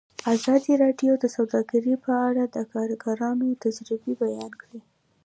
ازادي راډیو د سوداګري په اړه د کارګرانو تجربې بیان کړي.